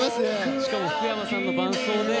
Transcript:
しかも福山さんの伴奏で。